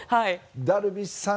ダルビッシュさん